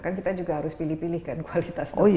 kan kita juga harus pilih pilih kan kualitas dokternya